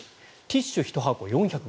ティッシュ１箱４５０円。